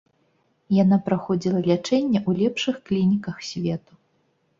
Яна праходзіла лячэнне ў лепшых клініках свету.